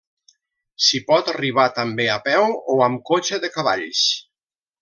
S'hi pot arribar també a peu o amb cotxe de cavalls.